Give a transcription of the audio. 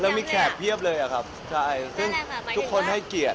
แล้วมีแขกเพียบเลยอะครับใช่ซึ่งทุกคนให้เกียรติ